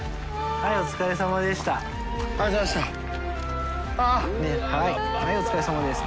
はいお疲れさまです。